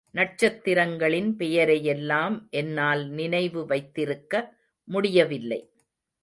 நட்சத்திரங்களின் பெயரையெல்லாம் என்னால் நினைவு வைத்திருக்க முடியவில்லை.